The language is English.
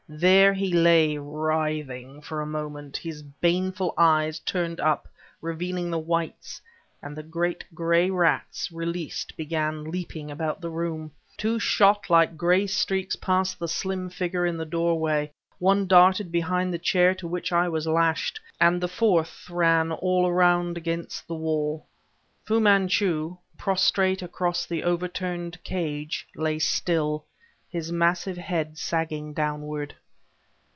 There he lay, writhing, for a moment, his baneful eyes turned up, revealing the whites; and the great gray rats, released, began leaping about the room. Two shot like gray streaks past the slim figure in the doorway, one darted behind the chair to which I was lashed, and the fourth ran all around against the wall... Fu Manchu, prostrate across the overturned cage, lay still, his massive head sagging downward.